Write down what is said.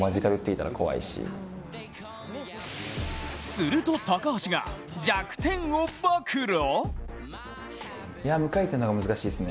すると高橋が、弱点を暴露？